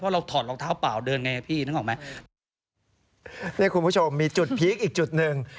เราถอดรองเท้าเปล่าเดินไงพี่นึกออกไหมเนี่ยคุณผู้ชมมีจุดพีคอีกจุดหนึ่ง